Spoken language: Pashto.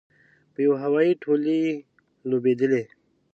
په یوه هوا کې ټولې لوبېدلې.